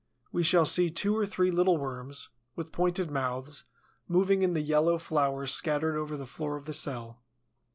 We shall see two or three little worms, with pointed mouths, moving in the yellow flour scattered over the floor of the cell.